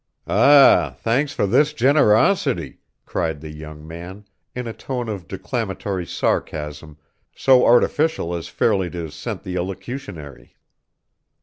"Ah, thanks for this generosity," cried the young man, in a tone of declamatory sarcasm so artificial as fairly to scent the elocutionary.